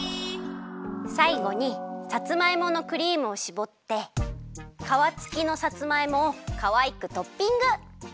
さいごにさつまいものクリームをしぼってかわつきのさつまいもをかわいくトッピング！